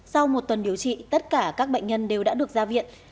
sau một tuần điều trị tất cả các bệnh nhân đều đã được ra viện